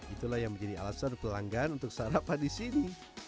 itulah yang menjadi alasan pelanggan untuk sarapan disini